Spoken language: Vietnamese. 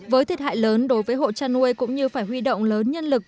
với thiệt hại lớn đối với hộ chăn nuôi cũng như phải huy động lớn nhân lực